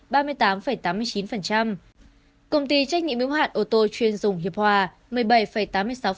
công ty trách nhiệm yếu hạn ô tô chuyên dùng hiệp hòa một mươi bảy tám mươi sáu